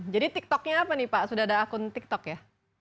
jadi tiktok nya apa pak sudah ada akun tiktok ya